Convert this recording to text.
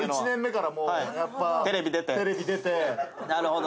１年目からテレビ出て。